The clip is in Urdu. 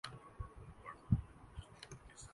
وہ خوش قسمت ہیں۔